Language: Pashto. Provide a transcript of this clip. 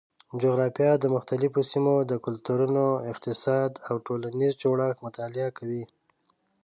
جغرافیه د مختلفو سیمو د کلتورونو، اقتصاد او ټولنیز جوړښت مطالعه کوي.